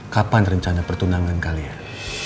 kapan rencana pertunangan kalian